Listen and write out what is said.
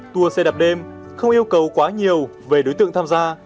tour xe đạp đêm không yêu cầu quá nhiều về đối tượng tham gia